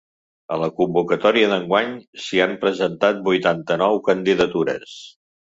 A la convocatòria d’enguany s’hi han presentat vuitanta-nou candidatures.